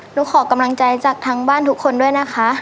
ขอกำลังใจจากทั้งบ้านทุกคนด้วยนะคะ